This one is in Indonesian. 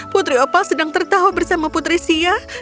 putri opa sedang tertawa bersama putri sia